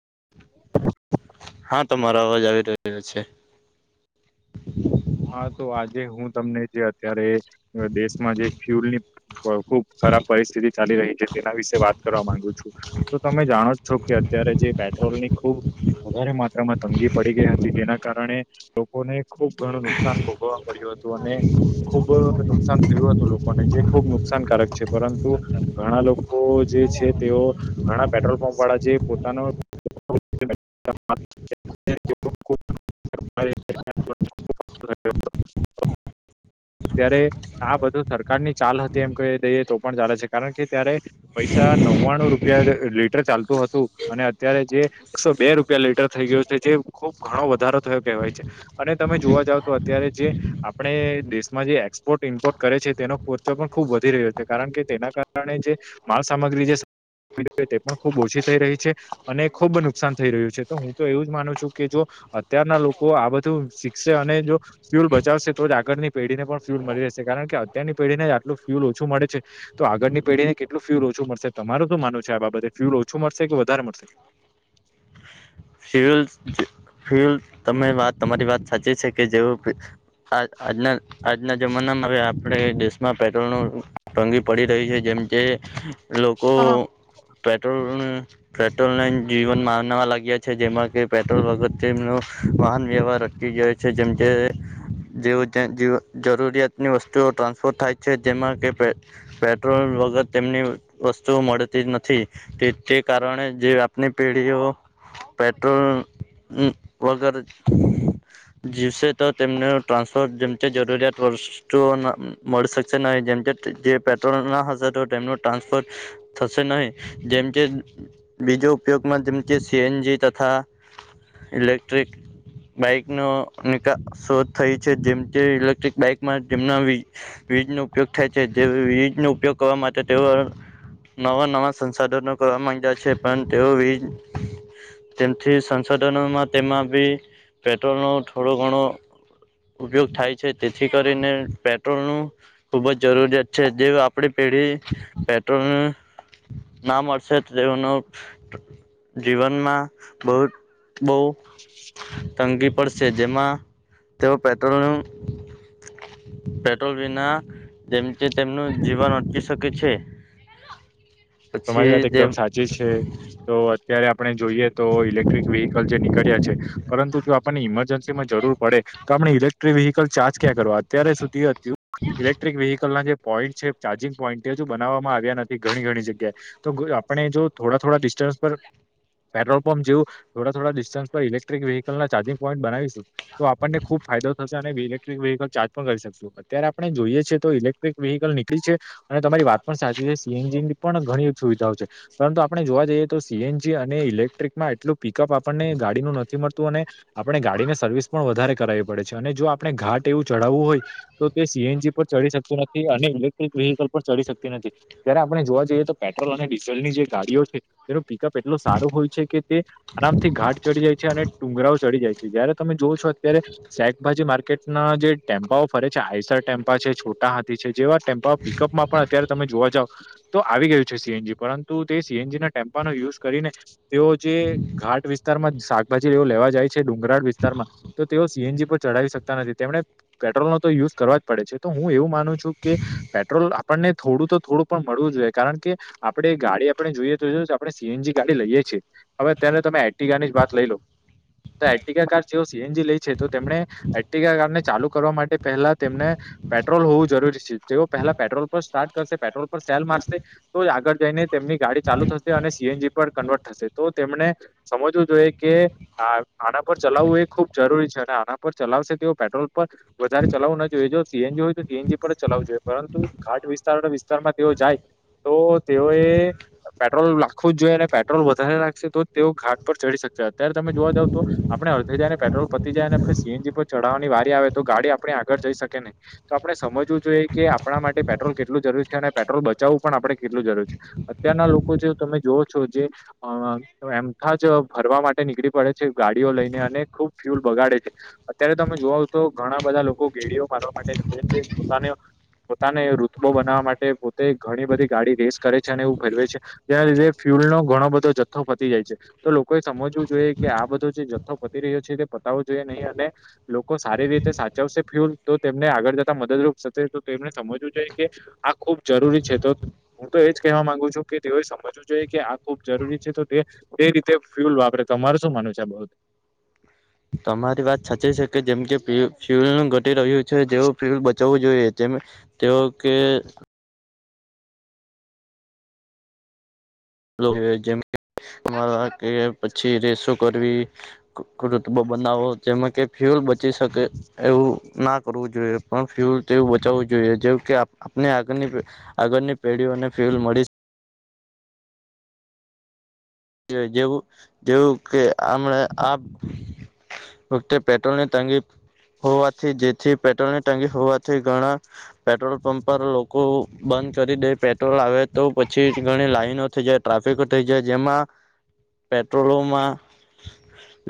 [inaudible] હા તમારો અવાજ આવી રહ્યો છે. હા તો આજે હું તમને જે અત્યારે દેશમાં જે ફ્યુલ ની ખુબ ખરાબ પરિસ્થિતિ ચાલી રહી છે તેના વિશે વાત કરવા માંગુ છું તો તમે જાણો જ છો કે અત્યારે જે પેટ્રોલ ની ખૂબ વધારે માત્રામાં તંગી પડી ગઈ હતી જેના કારણે લોકોને ખુબ ઘણું નુકસાન ભોગવવા પડ્યું હતું અને ખુબ નુકસાન થયું હતું લોકોને. જે ખૂબ નુકસાનકારક છે પરંતુ ઘણા લોકો જે છે તેઓ ઘણા પેટ્રોલ પંપ વાળા જે પોતાનો [inaudible] [inaudible] અત્યારે આ બધું સરકાર ની ચાલ હતી એમ કહી દઈએ તો પણ ચાલે છે કારણ કે ત્યારે પૈસા આ નવવાણું રૂપિયા જે લીટર ચાલતું હતું અને અત્યારે જે એકસો બે રૂપિયા લીટર થઈ ગયું છે. એ ખુબ ઘણો વધારો થયો કહેવાય છે અને તમે જોવા જાવ તો અત્યારે જે આપણે દેશ માં જે એક્સપોર્ટ ઇમ્પોર્ટ કરે છે તેનો ખર્ચો પણ ખુબ વધી રહ્યો છે કારણ કે તેના કારણે જે માલ સામગ્રી [unintelligible] તે પણ ખુબ ઓછી થઈ રહી છે અને ખુબ નુકસાન થઈ રહ્યું છે તો હું તો એવું જ માનું છું કે જો અત્યારના લોકો આ બધું શીખશે અને જો ફ્યુલ બચાવશે તો જ આગળની પેઢીને પણ ફ્યુલ મળી રહેશે કાર કે અત્યારની પેઢીને આટલું ફ્યુલ ઓછું મળે છે તો આગળની પેઢીને કેટલું ફ્યુલ ઓ ઓછું મળશે તમારું તો માનું છે આ બાબતે ફ્યુલ ઓછું મળશે કે વધારે મળશે ફ્યુલ ફ્યુલ તમે વાત તમારી વાત સાચી છે કે જેવું આ આજના આજના જમાનામાં હ આપણે દેશમાં પેટ્રોલનું ભંગી પડી રહી છે જે લોકો પેટ્રોલ પેટ્રોલને જીવન માન વા લાગ્યા છે જેમાં કે પેટ્રોલ વગતનો વાહન વ્યવહાર રકી જયો છે જેમ કે દ જરૂરિયાતની વસ્તુઓ ટ્રાન્સપોર્ટ થાય છે જેમાં કે પેટ્રોલ વગર તેમ એની વસ્તુઓ મળતી જ નથી તે તે કારણે જે આપની પેઢીઓ [inaudible] પેટ્રોલ વગર જીવશે તો તેમને ટ્રાન્સફોર જેમ જરૂરિયાત વસ્તુઓ મળી શકશે ન જે જે પેટ્રોલ ના હશે તો તેમનું ટ્રાન્સફર થશે નહીં જેમ કે બીજો ઉપયોગમાં જેમ કે સીએનજી તથા ઇલેક્ટ્રિક બાઈક નો શોધ થઈ છે જેમ જે ઇલેક્ટ્રિક બાઈકમાં જેમના વીજ નો ઉપયોગ થાય છે જે વીજ નો ઉપયોગ કરવા માટે તેઓ નવા નવા સંસાધનો કરવા માંડયા છે પણ તેઓ તેમથી સંશોધનોમાં તેમાં બી પેટ્રોલનો થોડું ઘણો ઉપયોગ થાય છે તેથી કરીને પેટ્રોલ નું ખુબ જ જરૂરિયાત છે જે આપડી પેઢી પેટ્રોલ ના મળશે તો તેઓનું જીવનમાં બહુ બહુ તંગી પડશે જેમાં તેઓ પેટ્રોલનું પેટ્રોલ બના જેમ જે તેમનું જીવન અટચકી શકે છે તમારી પછી વાત એકદમ જેમ સાચી છે તો અત્યારે આપણે જોઈએ તો ઇલેક્ટ્રિક વ્હકલ જેની કર છે પરંતુ જો આપણને ઇમરજન્સીમાં જરૂર પડે તો આપણે ઇલેક્ટ્ર વ ચાર્જ ક કરવા અત્યારે સુધી હત ઇલેક્ટ્રિક વ્હકલના જે પોઈન્ટ છે ચાર્જિંગ પોઈન્ટ તેજુ બનાવવામાં આવ્યા નથી ઘણી ઘણી જગ્યા તો આપણે જો થોડા થોડા ડિસ્ટન્સ પર પેટ્રોલ પંપ જે થોડા થોડા ડિસ્ટન્સ પર ઇલેક્ટ્રિક વ્હીકલના ચાર્જિંગ પોઈન્ટ બનાવીશું તો આપણને ખુબ ફાયદો થશે અને ઇલેક્ટ્રિક વ્હીકલ ચાર્જ પણ કરી શકશું અત્યારે આપણે જોઈએ છીએ તો ઇલેક્ટ્રિક વ્હીકલ નીકળી છે અને તમારી વાત પણ સાચી છે સીએનજી ની પણ ઘણી સુવિધા છે પરંતુ આપણે જોવા જઈએ તો સીએનજી અને ઇલેક્ટ્રિકમાં એટલું પીિકઅપ આપણને ગાડીનું નથી તું અને તે સીએનજી પર ચડી શકતી નથી અને ઇલેક્ટ્રિક વેહીકલ પર ચડી શકતી નથી જય્યારે આપણે જોવા જઈએ તો પેટ્રોલ અને ડીઝલની જે ગાડીઓ છે તે પેટ્રોલ સારો હોય છે કે તે આરામથી ઘાટ ચડી જાય છે અને ડુંગરાઓ ચડી જાય છે જયારે તમે જોવઓ છો અત્યારે શાકભાજી માર્કેટના જે ટેમ્પાઓ ફરે છે આઈ ટેમ્પા છે છોટા હાથી છે જેવા ટેમ્પા પિકઅપમાં પણ અત્યારે તમે જોવા જાવ તો આવી ગયું સીએનજી પરંતુ તે સીએનજી ના ટેમ્પાનો યુઝ કરીને તેઓ જે ઘાટ વિસ્તારમાં સા ભછી એવું લેવા જાય છે ડુંગરાળ વિસ્તારમાં તો તેઓ સીએનજી પર ચઢાવી શકતા નથી તેમને પેટ્રોલનો તો યુઝ કરવા જ પડે છે તો હું એવું માનું છું કે પેટ્રોલ આપણને થોડું તો થોડું પણ મળવું જોઈએ કારણ કે આપડે ગાડી આપણે જોઈએ તો આપણે સીએનજી ગાડી લઈએ છીએ હવે તેને તમે આઈટીકા ની જ બાત લઈ લો એટીકા કાર જેવ સીએનજી લઈ છે તો તેમને એટીકા કાર ને ચાલુ કરવા માટે પહેલા તેમને પેટ્રોલ હોવું જરૂરી છે તેઓ પહેલા પેટ્રોલ પર સ્ટાર્ટ કરશે પેટ્રોલ પર સેલ મારશે તો આગળ જઈને તેમની ગાડી ચાલુ થશે અને સીએનજી પણ કન્વર્ટ થશે તો તેમને સમજવું જોઈએ કે આના પર ચલાવવું એ ખુબ જરૂરી છે અને આના પર ચલાવશે તેઓ પેટ્રોલ પર વધારે ચલા જોઈએ જો સીએનજી હોય તો સીએનજી પર જ ચલાવું જોઈએ પરંતુ ઘાટ વિસ્તાર વિસ્તારમાં તેઓ જાય તો તેઓએ પેટ્રોલ લખવું જ જોઈએ અને પેટ્રોલ વધારે લાગશે તો તેઓ ઘાટ પર ચઢડી શકશે અત્યારે તમે જોવા જાવ તો આપણે અડધથે જાય ને પેટ્રોલ પતી જાય ને આપણે સીએનજી ચઢાવવાની વારી આવે તો ગાડી આપણે આગળ જઈ શકે નને તો આપ સમજવું જોઈએ કે આપણા પેટ્રોલ કેટલું જરૂરી છે અને પેટ્રોલ બચાવવું પણ આપે કેટલું જરૂર છે અત્યારના લોકો જે તમે જોઓ છો જે એમ જ કરવાર માટે નીકળી પડે છે ગાડીઓ લઈને અને ખુબ ફ્યુલ બગાડે છે અત્યારે તમે જોઓ તો ઘણા બધા લોકો ગેડીઓ મારવા માટે નીકળે છે પોતાને પોતાને રુતબો બનાવવા માટે પોતે ઘણી બધી ગાડી રેસ કરે છે અને એવું ભરવે છે જેના લીધે ફ્યુલ નો ઘણો બધો જથ્થો પતી જાય છે તો લો લોકો એ સમજવું જોઈએ કે આ બધો જે જથ્થો પતિ રહ્યો છે તે પતાવો જોઈએ નહીં અને લોકો સારી રીતે સાચવસે ફ્યુલ તો તેમને આગળ જતા મદદરૂપ થશે તો તેમને સમજવું જોઈએ કે આ ખૂબ જરૂરી છે તો હું તો એજ કહેવા માંગુ છું કે તેઓએ સમજવું જોઈએ કે આ ખુબ જરૂરી છે તો તે તે રીતે ફ્યુલ વાપરે તમારું શું માનુંવ છે આ બઉ તમારી વાત સાચી છે કે જેમ કે ફ્યુ ફ્યુલ નું ઘટી રહ્યું છે જેવું ફ્યુલ બચવું જોઈએ તેમ, તે તેઓ કે [unintelligible] જેમવા કે પછી રેસો કરવી રૂતબો બનાવો જેમાં કે ફ્યુલ બ એવું ના કરવું જોઈએ પણ ફ્યુલવું બચાવવું જોઈએ જે કે આપ આગળની આગળની પેઢીઓને ફ્યુલ મળી જેવું કેમ આ વખતે પેટ્રોલની તંગી હોવાથી જેથી પેટ્રોલ ની ટંગી હોવાથી ઘણા પેટ્રોલ પંપ પર લોકો કરી દે પેટ્રોલ આવે તો પછી ઘણી લાઈનો થઈ જાય ટ્રાફિક થઈ જાય જેમાં પેટ્રોલો માં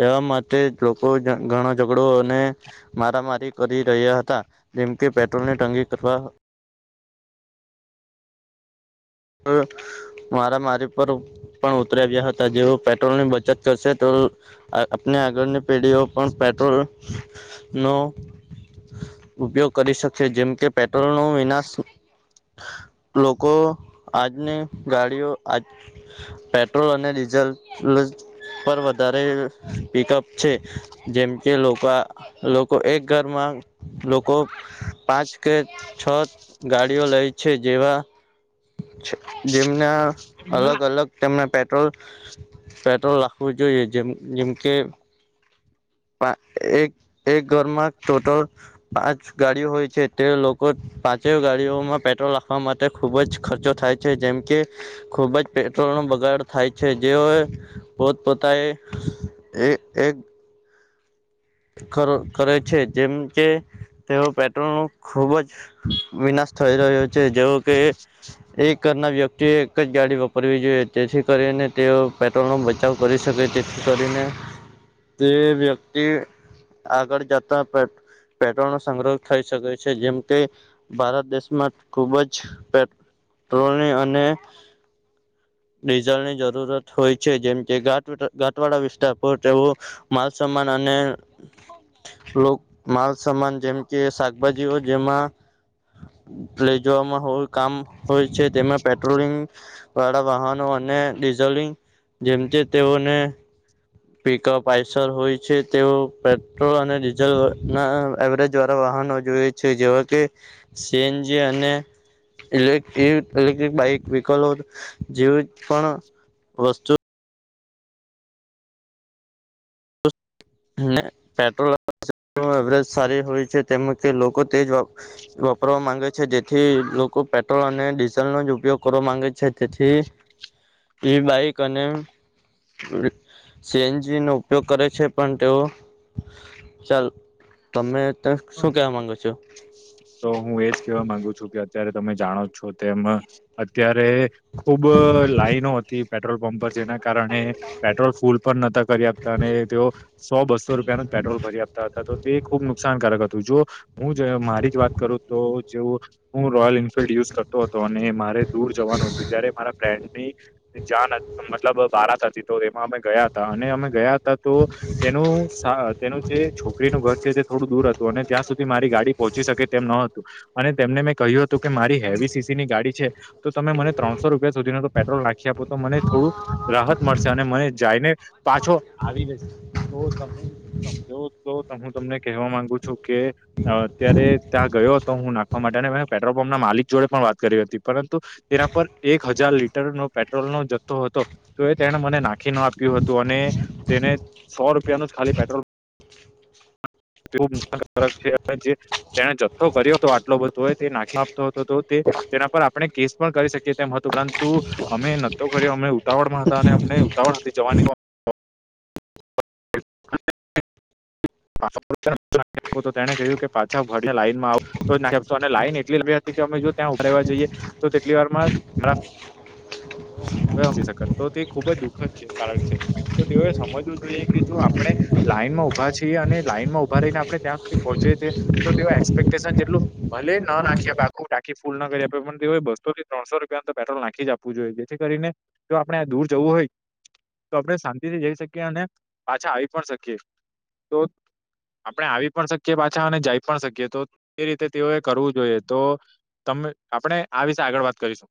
એવા માટે લોકો ઘણા ઝઘડો અને મારામારી કરી રહ્યા હતા જેમકે પેટ્રોલને ટંગી [unintelligible] [inaudible] મારામારી પર પણ ઉતરી આવ્યા હતા જેઓ પેટ્રોલની બચત કરશે તો આપની આગળની પેઢીઓ પણ પેટ્રોલ નો ઉપયોગ કરી શકેશે જેમ કે પેટ્રોલ નો વિનાશ લોકો આજની ગાડીઓ આ પેટ્રોલ અને ડીઝલ પર વધારે પિકઅપ છે જેમ કે લોકો લોકો એક ઘરમાં લોકો પાંચ કે છ ગાડીઓ લે છે જેવા જેમના અલગ અલગ તેમના પ પટ્રોલ પેટ્રોલ રાખવું જોઈએ જેમ જેમકે એક એક ઘરમાં ટોટલ પાંચ ગાડીઓ હોય છે તે લોકો પાંચેય ગાડીઓમાં પેટ્રોલ રાખવા માટે ખુબ જ ખર્ચો થાય છે જેમ કે ખુબ જ પેટ્રોલ બગાડ થાય છે જેઓ પોતપોતાએ એક કર કરે છે જેમ કે તેઓ પેટ્રોલ ન ખુબ જ વિનાશ થઈ રહ્યો છે જેવો કે એક ઘરના વ્યક્તિએ એક જ ગાડી વપરવી જોઈએ તેથી કરીને તેઓ પેટ્રોલ નો બચાવ કરી શકે તેથી કરીને તે વ્યક્તિ આગળ જતા પેટ્રોલ નો સંગ્રહ થઈ શકે છે જેમ કે ભારત દેશમાં ખુબ જ પે પેટ્રોલની અને ડીઝલની જરૂરત હોય છે જેમ જે ઘાટ ઘાટવાળ વિસ્તાર પર તેવું માલ સમાન અને લોક માલ સમાન જેમ કે શાકભાજીઓ જેમાં લે જવામાં કામ હોય છે તેમાં પેટ્રોલિંગ વાળા વાહનો અને ડિઝલી ગ જેમથી તેઓને પિકઅપ આઈસર હોય છે તેઓ પેટ્રોલ અને ડીઝલ ના એવરેજ વાળા વાહનો જોય છે જેવા કે સેએનજી અને લે ઇલેક્ટ્રિક બાઈક વહકલો જેવી પણ વસ્તો ના પેટ્રોલ એવરેજ સારી હોય છે તેમ કે લોકો તેજ વાપરવા માંગે છે જેથી લોકો પેટ પેટ્રોલ અને ડીઝલનો જ ઉપયોગ કરવા માંગે છે તેથી એઈ બાઈક અને સીએનજી નો ઉપયોગ કરે છે તો ચાલ તમે ત શું કેવા માંગો છો તો હું એજ કહેવા માંગુ છું કે અત્યારે તમે જાણો છો તેમ અત્યારે ખૂબ લાઈનો હતી પેટ્રોલ પંપ પર જેના કારણે પેટ્રોલ ફૂલ પણ નતા આપતા અને તેઓ સો બસો રૂપિયા ન પેટ્રોલ ભરી આપતા હતા તો ખબ નુકસાનકારક હતું જો હું મારી વાત કરું તો જેવું હું રોયલ એફિલ્ડ યુજ જતો હતો અને મારે દૂર જવાનું હત જયારે મારા ફ્રેન્ડ ની જાન મતલબ બારત હતી તો એમાં અમે ગયા હતા અને અમે ગયા તો તેનું તેનું જે છો છોકરીનું ઘર છે તે થોડું દૂર હતું અને ત્યાં સુધી મારી ગાડી પહોંચી શકે તેમ ન હતું અને તેમને મેં કહ્યું હતું કે મારી હેવી સીસી ની ગાડી છે તો તમે મને ત્રણસો રૂપિયા સુધીનો પેટ્રોલ નાખી આપુ તો મને થોડું રાહત મળશે અને મને જાઈને પાછો આવી જશે તો તમે સમજો તો હું તમને કહેવા માંગુ છું કે અત્યારે ત્યાં ગયો તો હું નાખવા માટે અને પેટ્રોલ પંપના માલિક જોડે પણ વાત કરી હતી પરંતુ તેના પર એક હજાર લીટરનો પેટ્રોલનો જથ્થો હતો તો એ તેણે મને નાખીને આપ્યું હતું અને તેને સો રૂપિયા નું જ ખાલી પેટ્રોલ [unintelligible] તેને જથ્થો કર્યો તો આટલો બધો હોય તે નાખી તો તો તો તે તેના પર આપણે કેસ પણ કરી શકીએ તેમ હતો પરંતુ અમે નતો કર્યો અમેં ઉતાવળ માં હતા અને અમને ઉતાવળ હતી જવાની પણ [inaudible] એટલું તો તેણે કહ્યું કે પાછા વરલે લાઈનમાં આવ તો અને લાઈન એટલી લ હતી કે અમે જો ત્યાં ઉભા રહેવા જઈએ તો તેટલી વાર માં [unintelligible] તો તે ખુબ જ દુખ જ છે કારક છે તો તેઓએ સમજવું જોઈએ કે જો આપણે લાઈનમાં ઉભા છીએ અને લાઈન માં ઉભા રહીને આપણે ત્યાં સુધી પહોંચી છે તો તેઓ એક્સપેક્ટેશન જેટલું ભલે એ ન નાખી આપ આખું ટાકી ફૂલ ન કરી આપે પણ તેઓએ બસોથી ત્રણસો રૂપિયાનું તો પેટ્રોલ નાખી જ આપવું જોઈએ જેથી કરીને જો આપડણે આ દૂર જવું હોય તો આપડે શાંતિથી જઈ શકીએ અને પાછા આવી પણ શકીએ તો આપણે આવી પણ શકીએ પાછા અને જાઈ પણ શકીએ તો એ રીતે તેઓએ કરવું જોઈએ તો આપણે આ વિશે આગળ વાત કરીશ